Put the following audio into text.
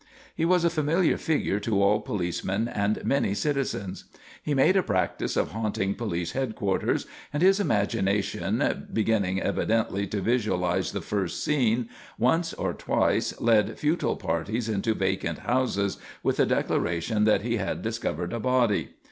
He was a familiar figure to all policemen and many citizens. He made a practice of haunting police headquarters, and, his imagination beginning evidently to visualise the first scene, once or twice led futile parties into vacant houses with the declaration that he had discovered a body.